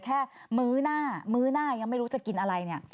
แค่มื้อหน้ายังไม่รู้จะกินอะไร